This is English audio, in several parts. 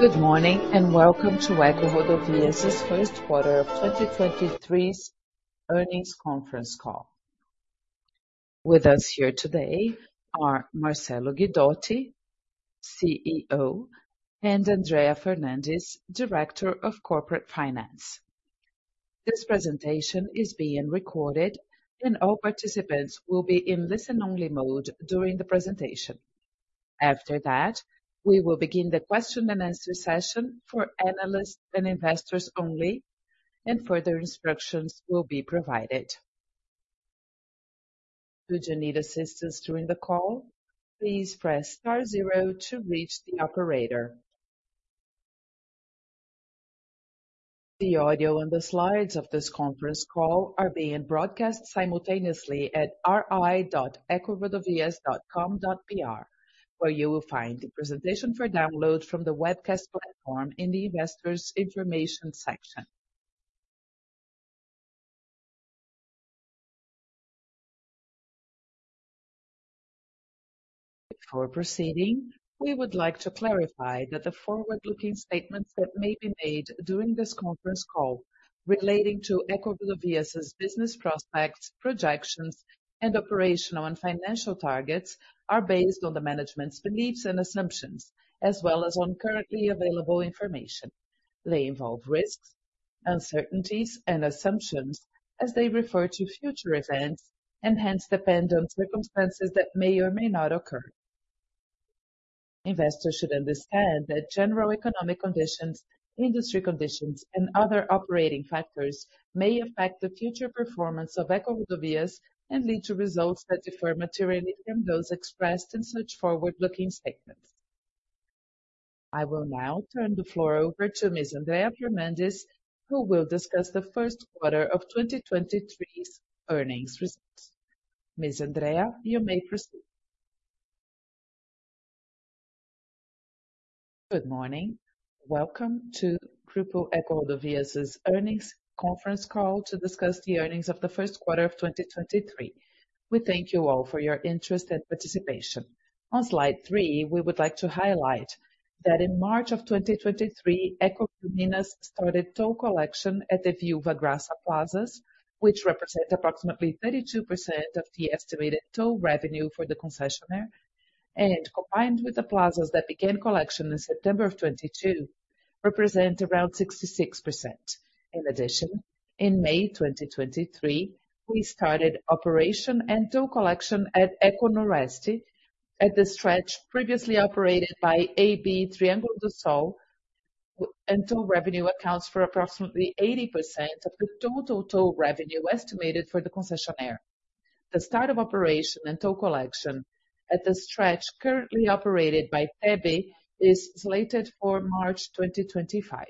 Good morning, and welcome to EcoRodovias' Q1 of 2023's earnings conference call. With us here today are Marcelo Guidotti, CEO, and Andrea Fernandes, Director of Corporate Finance. This presentation is being recorded and all participants will be in listen only mode during the presentation. After that, we will begin the question and answer session for analysts and investors only. Further instructions will be provided. Should you need assistance during the call, please press star zero to reach the operator. The audio and the slides of this conference call are being broadcast simultaneously at ri.ecorodovias.com.br, where you will find the presentation for download from the webcast platform in the investors information section. Before proceeding, we would like to clarify that the forward-looking statements that may be made during this conference call relating to EcoRodovias' business prospects, projections, and operational and financial targets are based on the management's beliefs and assumptions as well as on currently available information. They involve risks, uncertainties and assumptions as they refer to future events and hence depend on circumstances that may or may not occur. Investors should understand that general economic conditions, industry conditions, and other operating factors may affect the future performance of EcoRodovias and lead to results that differ materially from those expressed in such forward-looking statements. I will now turn the floor over to Ms. Andrea Fernandes, who will discuss the Q1 of 2023's earnings results. Ms. Andrea, you may proceed. Good morning. Welcome to Grupo EcoRodovias' earnings conference call to discuss the earnings of the Q1 of 2023. We thank you all for your interest and participation. On slide three, we would like to highlight that in March of 2023, EcoRioMinas started toll collection at the Via da Graça plazas, which represent approximately 32% of the estimated toll revenue for the concessionaire, and combined with the plazas that began collection in September of 2022, represent around 66%. In May 2023, we started operation and toll collection at EcoNoroeste at the stretch previously operated by AB Triângulo do Sol, and toll revenue accounts for approximately 80% of the total toll revenue estimated for the concessionaire. The start of operation and toll collection at the stretch currently operated by TEBE is slated for March 2025.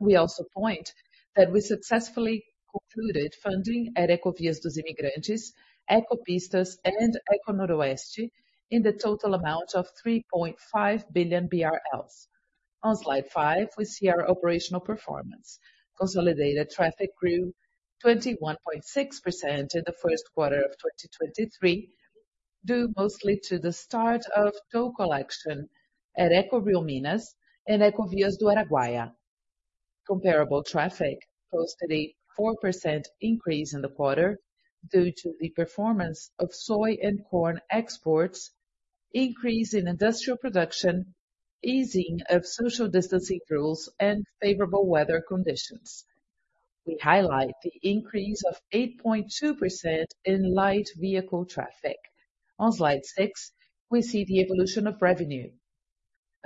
We also point that we successfully concluded funding at Ecovias dos Imigrantes, Ecopistas, and EcoNoroeste in the total amount of 3.5 billion BRL. On slide five, we see our operational performance. Consolidated traffic grew 21.6% in the Q1 of 2023, due mostly to the start of toll collection at EcoRioMinas and Ecovias do Araguaia. Comparable traffic posted a 4% increase in the quarter due to the performance of soy and corn exports, increase in industrial production, easing of social distancing rules, and favorable weather conditions. We highlight the increase of 8.2% in light vehicle traffic. On slide six, we see the evolution of revenue.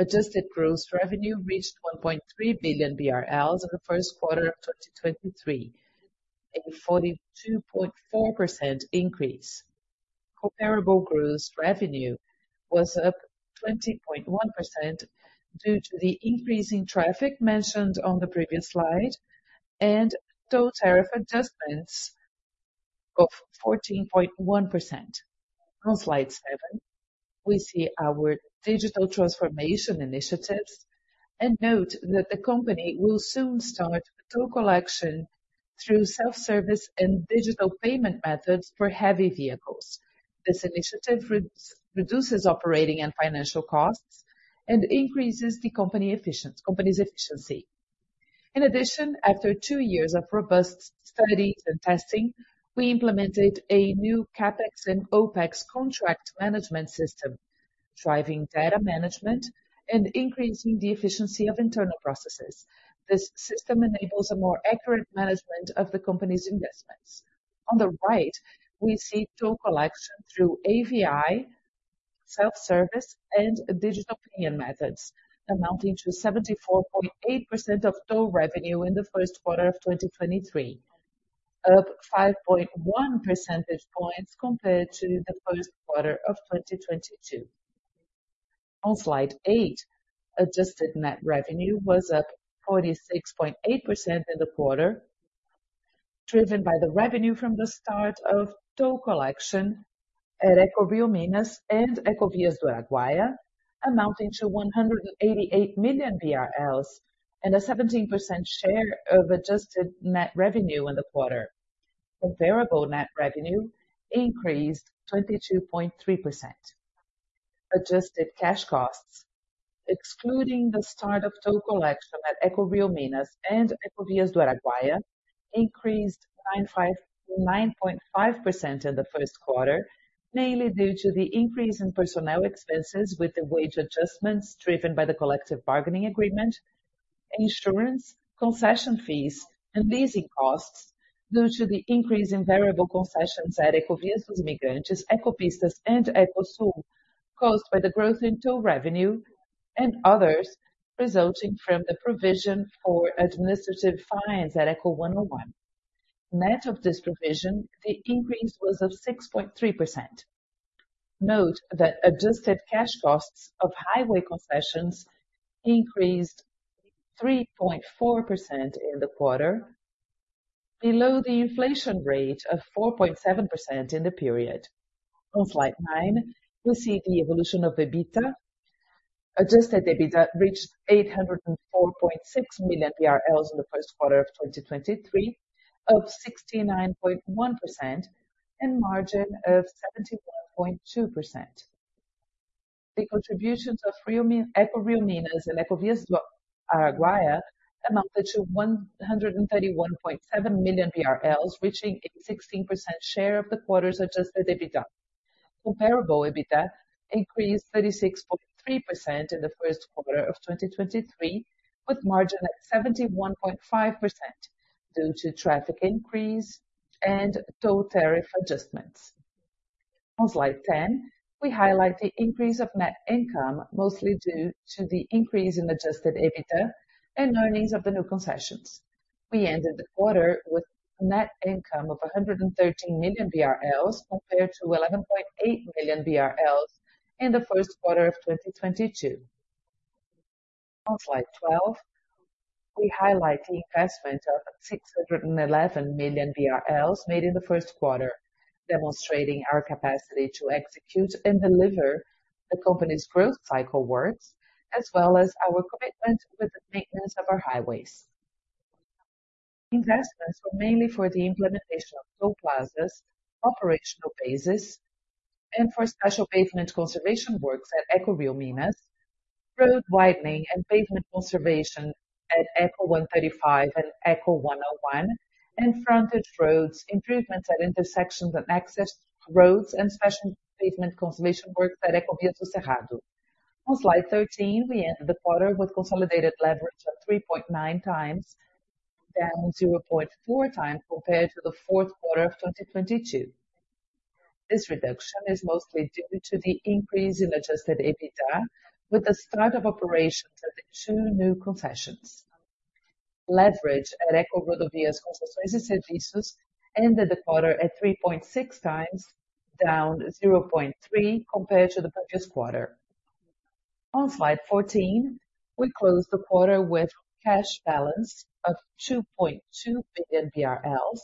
Adjusted gross revenue reached 1.3 billion BRL in the Q1 of 2023, a 42.4% increase. Comparable gross revenue was up 20.1% due to the increase in traffic mentioned on the previous slide. Toll tariff adjustments of 14.1%. On slide seven, we see our digital transformation initiatives. Note that the company will soon start toll collection through self-service and digital payment methods for heavy vehicles. This initiative reduces operating and financial costs and increases the company's efficiency. In addition, after two years of robust study and testing, we implemented a new CapEx and OpEx contract management system, driving data management and increasing the efficiency of internal processes. This system enables a more accurate management of the company's investments. On the right, we see toll collection through AVI, self-service and digital payment methods amounting to 74.8% of toll revenue in the Q1 of 2023. Up 5.1 percentage points compared to the Q1 of 2022. On slide eight, adjusted net revenue was up 46.8% in the quarter, driven by the revenue from the start of toll collection at EcoRioMinas and Ecovias do Araguaia, amounting to 188 million BRL and a 17% share of adjusted net revenue in the quarter. The variable net revenue increased 22.3%. Adjusted cash costs, excluding the start of toll collection at EcoRioMinas and Ecovias do Araguaia, increased 9.5% in the Q1, mainly due to the increase in personnel expenses with the wage adjustments driven by the collective bargaining agreement, insurance, concession fees, and leasing costs due to the increase in variable concessions at Ecovias dos Imigrantes, Ecopistas and Ecosul, caused by the growth in toll revenue and others resulting from the provision for administrative fines at Eco101. Net of this provision, the increase was of 6.3%. Note that adjusted cash costs of highway concessions increased 3.4% in the quarter, below the inflation rate of 4.7% in the period. On slide nine, we see the evolution of EBITDA. Adjusted EBITDA reached 804.6 million in the Q1 of 2023, up 69.1% and margin of 71.2%. The contributions of EcoRio Minas and Ecovias do Araguaia amounted to 131.7 million BRL, reaching a 16% share of the quarter's adjusted EBITDA. Comparable EBITDA increased 36.3% in the Q1 of 2023, with margin at 71.5% due to traffic increase and toll tariff adjustments. On slide 10, we highlight the increase of net income, mostly due to the increase in adjusted EBITDA and earnings of the new concessions. We ended the quarter with net income of 113 million BRL compared to 11.8 million BRL in the Q1 of 2022. On slide 12, we highlight the investment of 611 million BRL made in the Q1, demonstrating our capacity to execute and deliver the company's growth cycle works, as well as our commitment with the maintenance of our highways. Investments were mainly for the implementation of toll plazas, operational phases, and for special pavement conservation works at EcoRioMinas, road widening and pavement conservation at Eco135 and Eco101, and frontage roads, improvements at intersections and access roads, and special pavement conservation works at Ecovias do Cerrado. On slide 13, we ended the quarter with consolidated leverage of 3.9x, down 0.4x compared to the Q4 of 2022. This reduction is mostly due to the increase in adjusted EBITDA with the start of operations at the two new concessions. Leverage at EcoRodovias Concessões e Serviços ended the quarter at 3.6x, down 0.3 compared to the previous quarter. On slide 14, we closed the quarter with cash balance of 2.2 billion BRL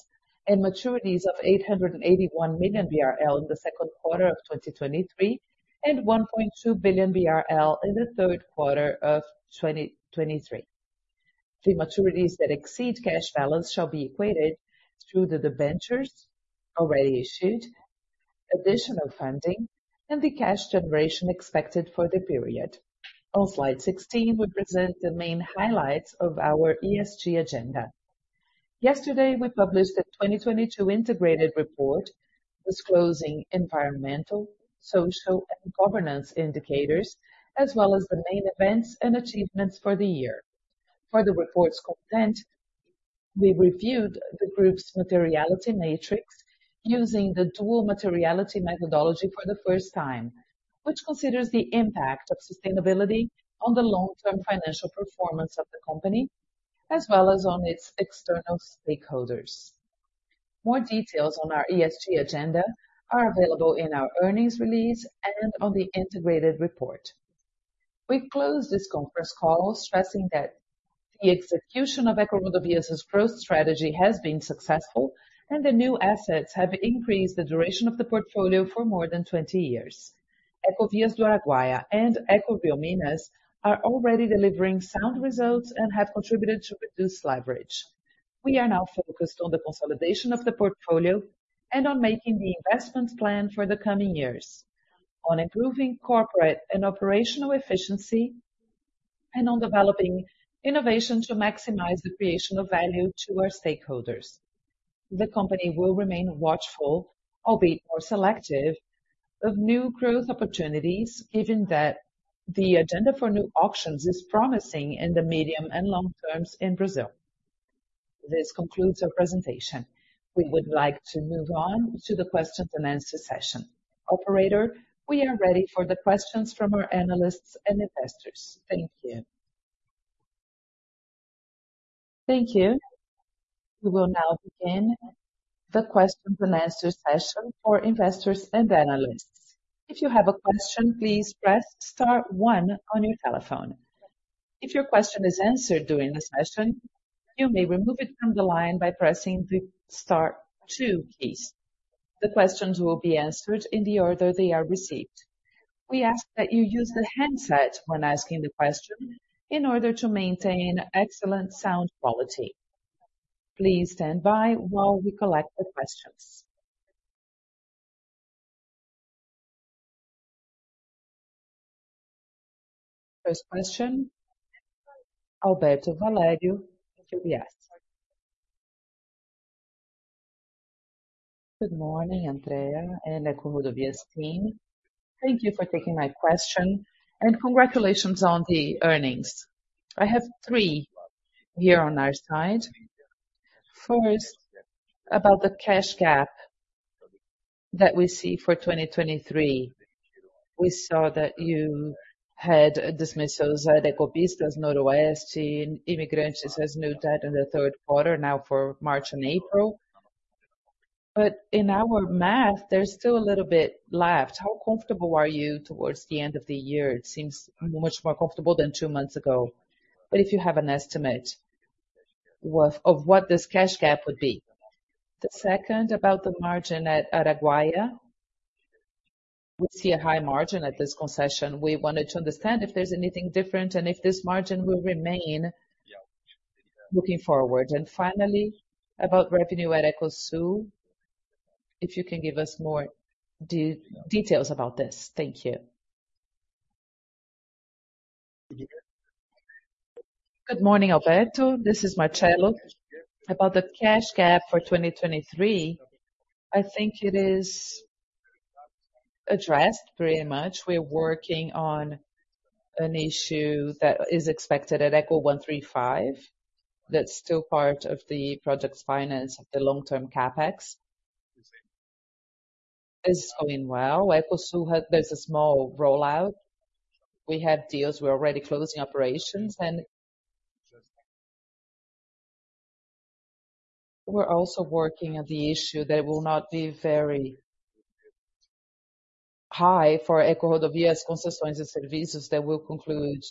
and maturities of 881 million BRL in 2Q 2023, and 1.2 billion BRL in 3Q 2023. The maturities that exceed cash balance shall be equated through the debentures already issued, additional funding, and the cash generation expected for the period. On slide 16, we present the main highlights of our ESG agenda. Yesterday, we published the 2022 integrated report disclosing environmental, social, and governance indicators, as well as the main events and achievements for the year. For the report's content, we reviewed the group's materiality matrix using the dual materiality methodology for the first time, which considers the impact of sustainability on the long-term financial performance of the company, as well as on its external stakeholders. More details on our ESG agenda are available in our earnings release and on the integrated report. We close this conference call stressing that the execution of EcoRodovias' growth strategy has been successful, and the new assets have increased the duration of the portfolio for more than 20 years. Ecovias do Araguaia and EcoRioMinas are already delivering sound results and have contributed to reduced leverage. We are now focused on the consolidation of the portfolio and on making the investments planned for the coming years, on improving corporate and operational efficiency, and on developing innovation to maximize the creation of value to our stakeholders. The company will remain watchful, albeit more selective, of new growth opportunities, given that the agenda for new auctions is promising in the medium and long terms in Brazil. This concludes our presentation. We would like to move on to the question and answer session. Operator, we are ready for the questions from our analysts and investors. Thank you. Thank you. We will now begin the question and answer session for investors and analysts. If you have a question, please press star one on your telephone. If your question is answered during the session, you may remove it from the line by pressing the star two keys. The questions will be answered in the order they are received. We ask that you use the handset when asking the question in order to maintain excellent sound quality. Please stand by while we collect the questions. First question, Alberto Valerio with UBS. Good morning, Andrea and EcoRodovias team. Thank you for taking my question, and congratulations on the earnings. I have three here on our side. First, about the cash gap that we see for 2023. We saw that you had dismissals at Ecopistas, EcoNoroeste, and Imigrantes as noted in the Q3 now for March and April. In our math, there's still a little bit left. How comfortable are you towards the end of the year? It seems much more comfortable than two months ago. If you have an estimate of what this cash gap would be? The second about the margin at Araguaia. We see a high margin at this concession. We wanted to understand if there's anything different and if this margin will remain looking forward. Finally, about revenue at Ecosul, if you can give us more details about this. Thank you. Good morning, Alberto. This is Marcelo. About the cash gap for 2023, I think it is addressed pretty much. We're working on an issue that is expected at Eco135. That's still part of the project's finance, the long-term CapEx. It's going well. Ecosul there's a small rollout. We have deals, we're already closing operations and we're also working at the issue that will not be very high for EcoRodovias Concessões e Serviços that will conclude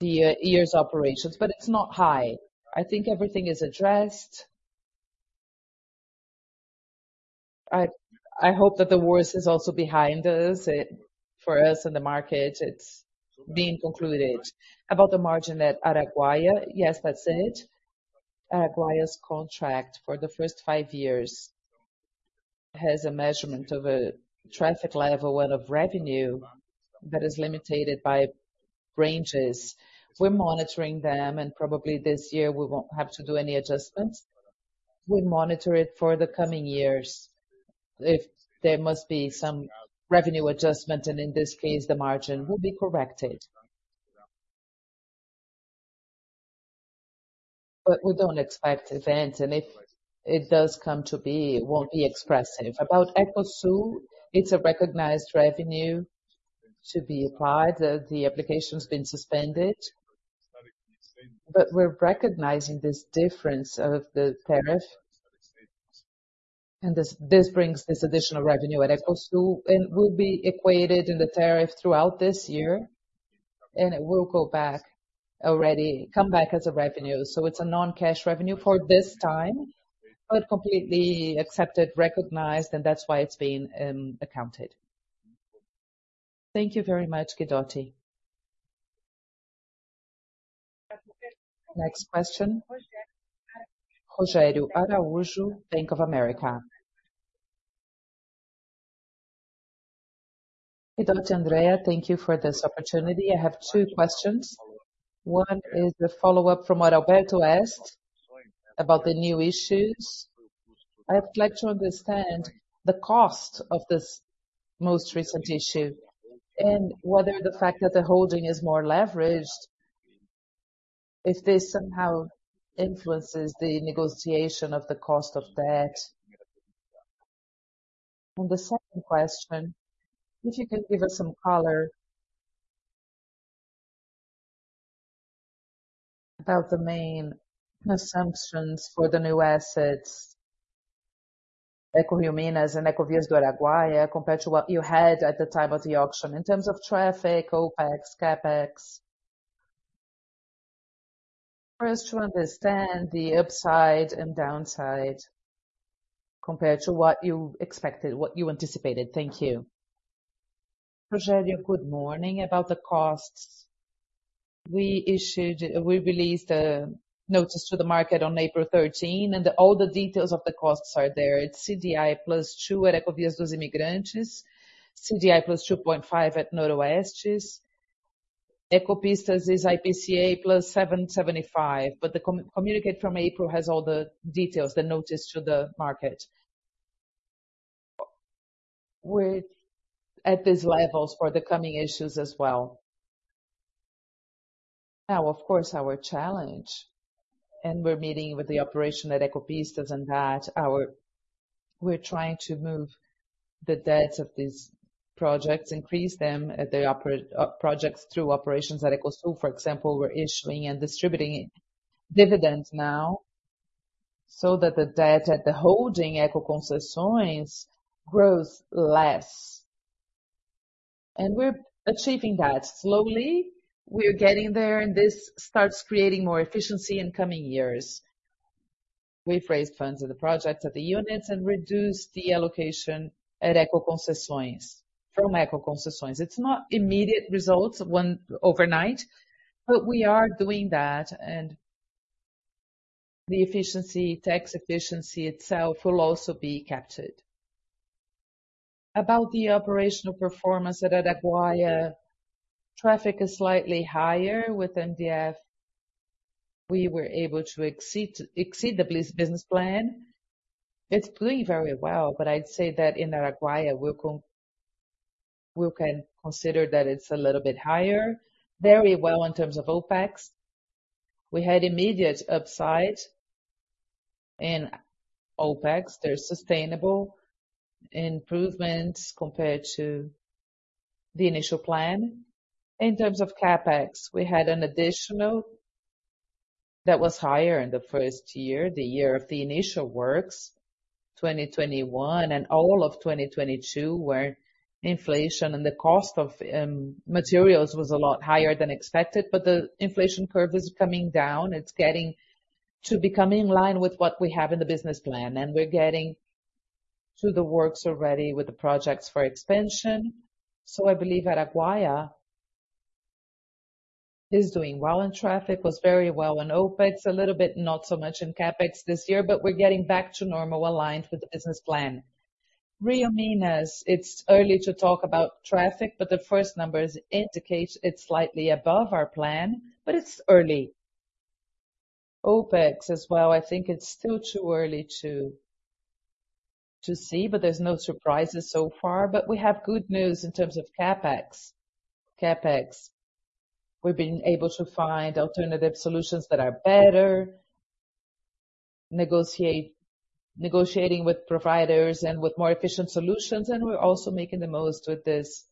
the year's operations. It's not high. I think everything is addressed. I hope that the worst is also behind us. For us in the market, it's being concluded. About the margin at Araguaia, yes, that's it. Araguaia's contract for the first five years has a measurement of a traffic level and of revenue that is limited by ranges. We're monitoring them, probably this year we won't have to do any adjustments. We monitor it for the coming years. If there must be some revenue adjustment, in this case, the margin will be corrected. We don't expect events, if it does come to be, it won't be expressive. About Ecosul, it's a recognized revenue to be applied. The application's been suspended. We're recognizing this difference of the tariff. This brings this additional revenue at Ecosul, will be equated in the tariff throughout this year, it will come back as a revenue. It's a non-cash revenue for this time, completely accepted, recognized, that's why it's being accounted. Thank you very much, Guidotti. Next question, Rogerio Araujo, Bank of America. Guidotti, Andrea, thank you for this opportunity. I have two questions. One is the follow-up from what Alberto asked about the new issues. I'd like to understand the cost of this most recent issue and whether the fact that the holding is more leveraged, if this somehow influences the negotiation of the cost of debt. The second question, if you could give us some color about the main assumptions for the new assets, EcoRioMinas and Ecovias do Araguaia, compared to what you had at the time of the auction in terms of traffic, OpEx, CapEx. For us to understand the upside and downside compared to what you expected, what you anticipated. Thank you. Rogerio, good morning. About the costs, we released a notice to the market on April 13, and all the details of the costs are there. It's CDI plus 2 at Ecovias dos Imigrantes, CDI plus 2.5 at Noroeste. Ecopistas is IPCA plus 7.75. The communicate from April has all the details, the notice to the market. We're at these levels for the coming issues as well. Of course, our challenge, and we're meeting with the operation at Ecopistas on that, we're trying to move the debts of these projects, increase them at the projects through operations at EcoSul. For example, we're issuing and distributing dividends now so that the debt at the holding EcoConcessões grows less. We're achieving that slowly. We're getting there, and this starts creating more efficiency in coming years. We've raised funds of the projects at the units and reduced the allocation at EcoConcessões from EcoConcessões. It's not immediate results overnight, but we are doing that and tax efficiency itself will also be captured. About the operational performance at Araguaia, traffic is slightly higher with MDF. We were able to exceed the business plan. It's doing very well, but I'd say that in Araguaia we can consider that it's a little bit higher. Very well in terms of OpEx. We had immediate upside in OpEx. There's sustainable improvements compared to the initial plan. In terms of CapEx, we had an additional that was higher in the first year, the year of the initial works, 2021 and all of 2022, where inflation and the cost of materials was a lot higher than expected. The inflation curve is coming down. It's getting to becoming in line with what we have in the business plan, and we're getting to the works already with the projects for expansion. I believe Araguaia is doing well, and traffic was very well in OpEx. A little bit not so much in CapEx this year, but we're getting back to normal aligned with the business plan. EcoRioMinas, it's early to talk about traffic, but the first numbers indicates it's slightly above our plan, but it's early. OpEx as well, I think it's still too early to see, but there's no surprises so far. We have good news in terms of CapEx. CapEx, we've been able to find alternative solutions that are better. Negotiating with providers and with more efficient solutions. We're also making the most with this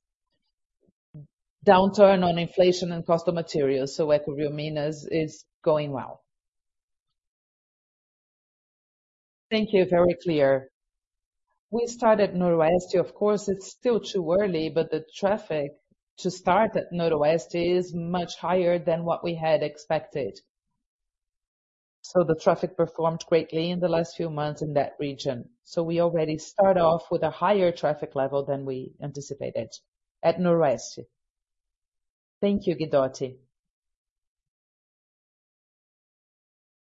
downturn on inflation and cost of materials. EcoRioMinas is going well. Thank you. Very clear. We started EcoNoroeste. Of course, it's still too early, but the traffic to start at EcoNoroeste is much higher than what we had expected. The traffic performed greatly in the last few months in that region. We already start off with a higher traffic level than we anticipated at EcoNoroeste. Thank you, Guidotti.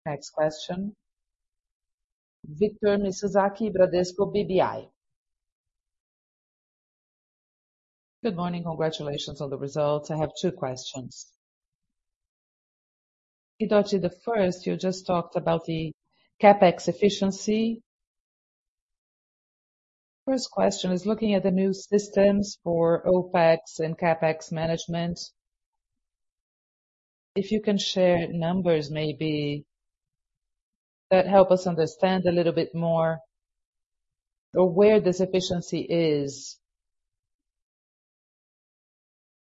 Next question, Victor Mizusaki, Bradesco BBI. Good morning. Congratulations on the results. I have two questions. Guidotti, the first, you just talked about the CapEx efficiency. First question is looking at the new systems for OpEx and CapEx management. If you can share numbers maybe that help us understand a little bit more or where this efficiency is.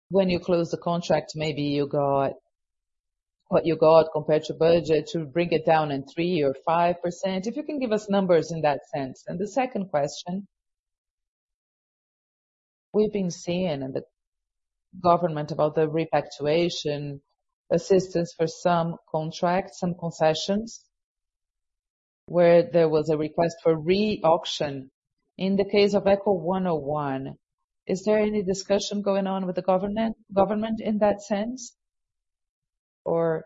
When you close the contract, maybe you got what you got compared to budget to bring it down in 3% or 5%. If you can give us numbers in that sense. The second question. We've been seeing in the government about the reequilibration assistance for some contracts and concessions where there was a request for re-auction. In the case of Eco101, is there any discussion going on with the government in that sense, or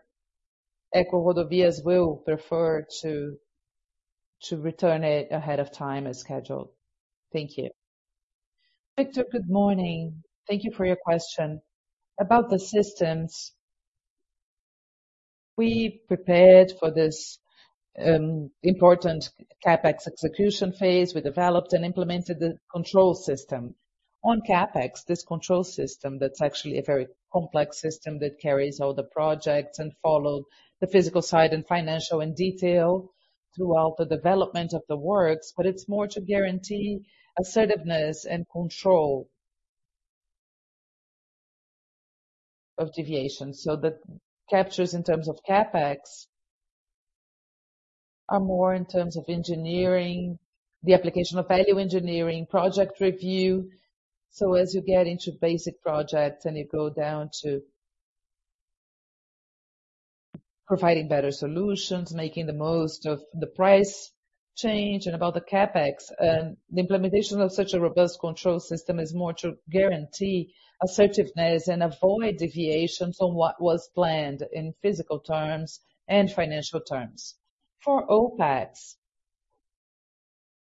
EcoRodovias will prefer to return it ahead of time as scheduled? Thank you. Victor, good morning. Thank you for your question. About the systems, we prepared for this important CapEx execution phase. We developed and implemented the control system. On CapEx, this control system that's actually a very complex system that carries all the projects and follow the physical side and financial in detail throughout the development of the works, but it's more to guarantee assertiveness and control of deviation. The captures in terms of CapEx are more in terms of engineering, the application of value engineering, project review. As you get into basic projects and you go down to providing better solutions, making the most of the price change. About the CapEx, the implementation of such a robust control system is more to guarantee assertiveness and avoid deviations on what was planned in physical terms and financial terms. For OpEx,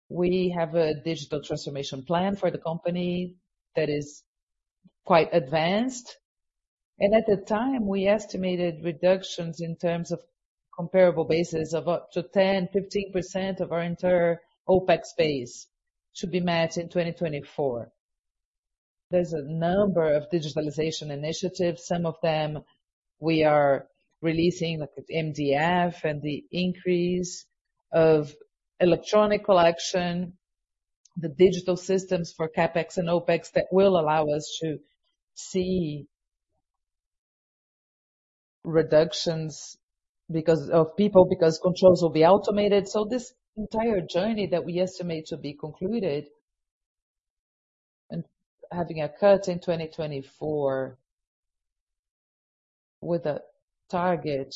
we have a digital transformation plan for the company that is quite advanced. At the time, we estimated reductions in terms of comparable basis of up to 10-15% of our entire OpEx base to be met in 2024. There's a number of digitalization initiatives. Some of them we are releasing, like MDF and the increase of electronic collection, the digital systems for CapEx and OpEx that will allow us to see reductions because of people, because controls will be automated. This entire journey that we estimate to be concluded and having occurred in 2024 with a target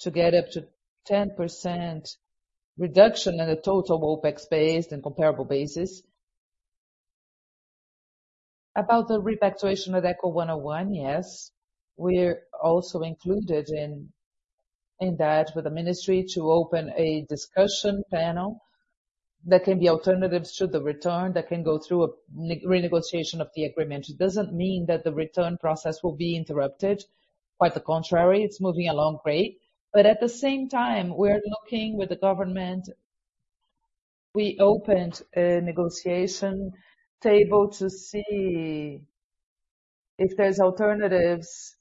to get up to 10% reduction in the total OpEx base and comparable basis. About the reequilibration of Eco101, yes. We're also included in that with the ministry to open a discussion panel that can be alternatives to the return, that can go through a renegotiation of the agreement. It doesn't mean that the return process will be interrupted. Quite the contrary, it's moving along great. At the same time, we're looking with the government. We opened a negotiation table to see if there's alternatives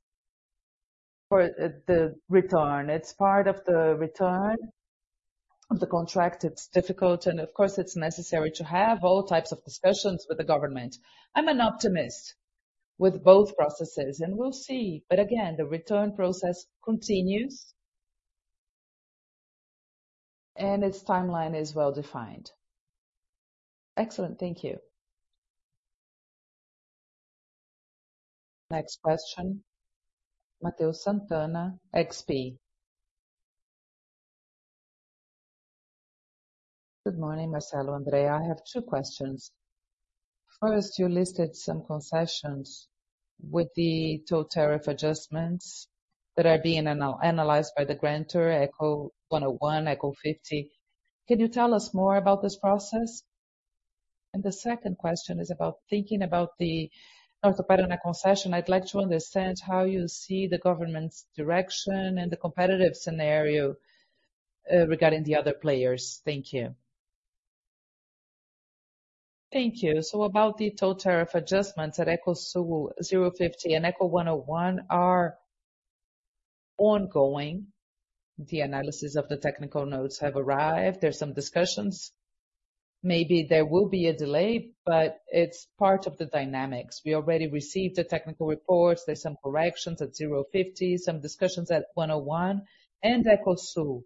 for the return. It's part of the return of the contract. It's difficult and of course, it's necessary to have all types of discussions with the government. I'm an optimist with both processes and we'll see. Again, the return process continues and its timeline is well-defined. Excellent. Thank you. Next question, Matheus Sant'Anna, XP. Good morning, Marcelo, Andrea. I have two questions. First, you listed some concessions with the toll tariff adjustments that are being analyzed by the grantor, Eco101, Eco050. Can you tell us more about this process? The second question is about thinking about the North Paraná concession. I'd like to understand how you see the government's direction and the competitive scenario regarding the other players. Thank you. About the toll tariff adjustments at Ecosul 050 and Eco101 are ongoing. The analysis of the technical notes have arrived. There's some discussions. Maybe there will be a delay, but it's part of the dynamics. We already received the technical reports. There's some corrections at 050, some discussions at 101 and Ecosul.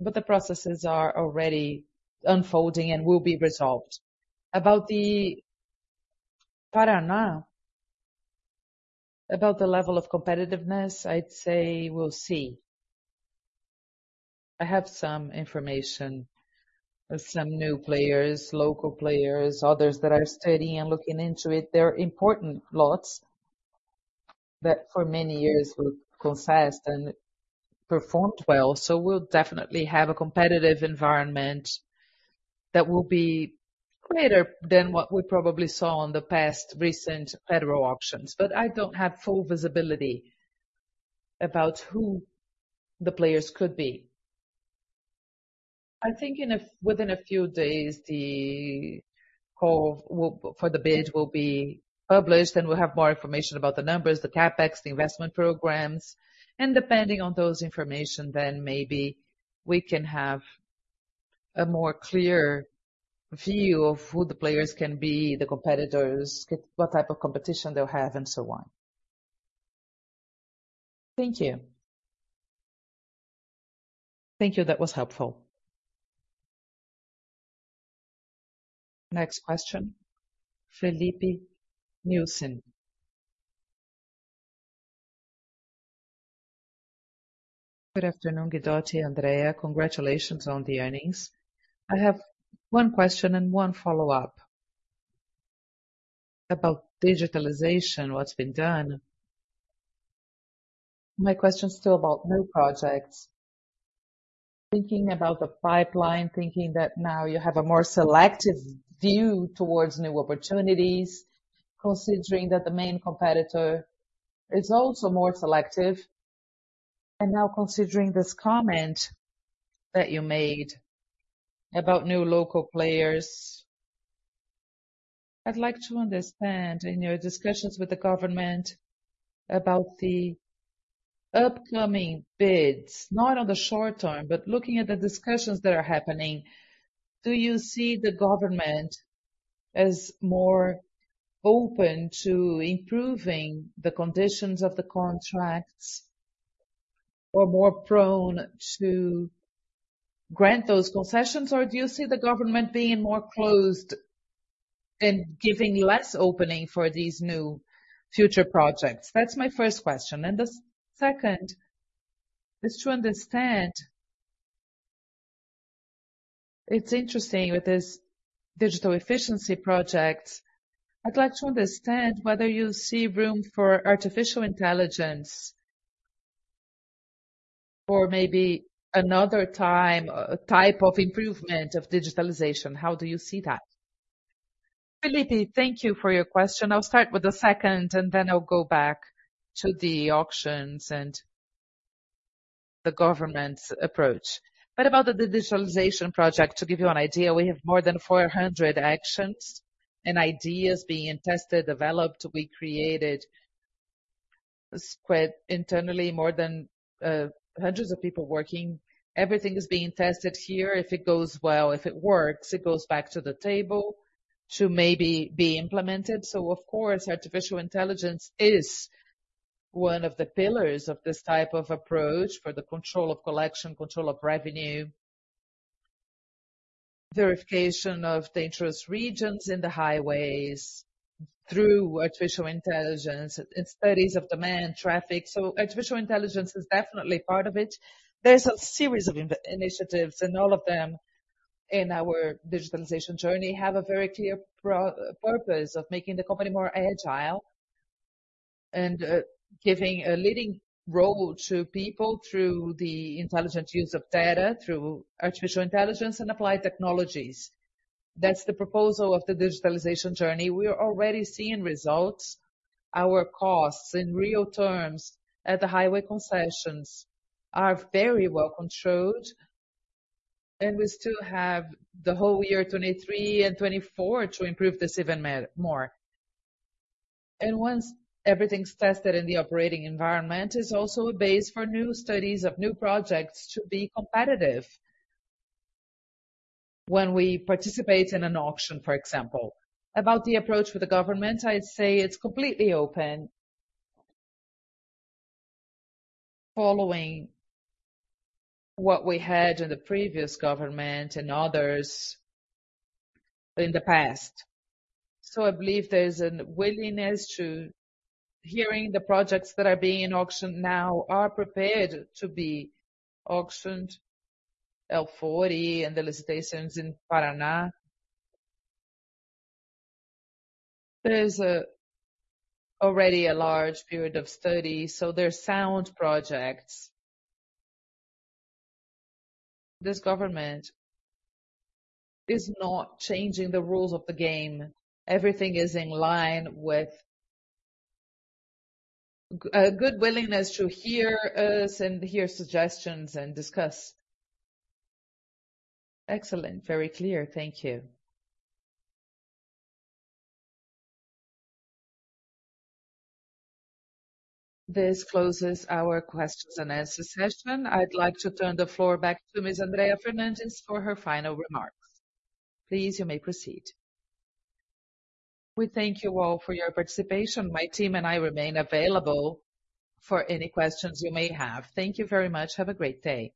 The processes are already unfolding and will be resolved. About the Paraná, about the level of competitiveness, I'd say we'll see. I have some information of some new players, local players, others that are studying and looking into it. They're important lots that for many years were confessed and performed well. We'll definitely have a competitive environment that will be greater than what we probably saw in the past recent federal auctions. I don't have full visibility about who the players could be. I think within a few days, the call for the bid will be published, and we'll have more information about the numbers, the CapEx, the investment programs. Depending on those information, then maybe we can have a more clear view of who the players can be, the competitors, what type of competition they'll have and so on. Thank you. Thank you. That was helpful. Next question, Filipe Nielsen. Good afternoon, Guidotti, Andrea. Congratulations on the earnings. I have one question and one follow-up. About digitalization, what's been done. My question is still about new projects. Thinking about the pipeline, thinking that now you have a more selective view towards new opportunities, considering that the main competitor is also more selective. Considering this comment that you made about new local players, I'd like to understand in your discussions with the government about the upcoming bids, not on the short term, but looking at the discussions that are happening, do you see the government as more open to improving the conditions of the contracts or more prone to grant those concessions? Do you see the government being more closed and giving less opening for these new future projects? That's my first question. The second is to understand. It's interesting with this digital efficiency project. I'd like to understand whether you see room for artificial intelligence or maybe another type of improvement of digitalization. How do you see that? Filipe, thank you for your question. I'll start with the second, then I'll go back to the auctions and the government's approach. About the digitalization project, to give you an idea, we have more than 400 actions and ideas being tested, developed. We created squad internally, more than hundreds of people working. Everything is being tested here. If it goes well, if it works, it goes back to the table to maybe be implemented. Of course, artificial intelligence is one of the pillars of this type of approach for the control of collection, control of revenue, verification of dangerous regions in the highways through artificial intelligence and studies of demand traffic. Artificial intelligence is definitely part of it. There's a series of initiatives, all of them in our digitalization journey have a very clear purpose of making the company more agile, giving a leading role to people through the intelligent use of data, through artificial intelligence and applied technologies. That's the proposal of the digitalization journey. We are already seeing results. Our costs in real terms at the highway concessions are very well controlled. We still have the whole year 2023 and 2024 to improve this even more. Once everything's tested in the operating environment, it's also a base for new studies of new projects to be competitive when we participate in an auction, for example. About the approach with the government, I'd say it's completely open following what we had in the previous government and others in the past. I believe there's a willingness to hearing the projects that are being in auction now are prepared to be auctioned, L40 and the licitations in Paraná. There's already a large period of study, so they're sound projects. This government is not changing the rules of the game. Everything is in line with a good willingness to hear us and hear suggestions and discuss. Excellent. Very clear. Thank you. This closes our questions and answer session. I'd like to turn the floor back to Ms. Andreas Fernandes for her final remarks. Please, you may proceed. We thank you all for your participation. My team and I remain available for any questions you may have. Thank you very much. Have a great day.